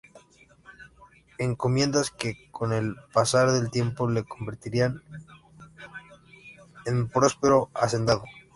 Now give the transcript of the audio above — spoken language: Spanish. Encomiendas que con el pasar del tiempo le convertirán en próspero hacendado.